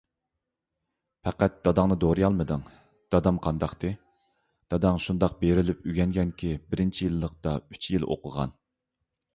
_ پەقەتلا داداڭنى دورىيالمىدىڭ؟ _ دادام قانداقتى؟ _ داداڭ شۇنداق بېرىلىپ ئۆگەنگەنكى، بىرىنچى يىللىقتا ئۈچ يىل ئوقۇغان.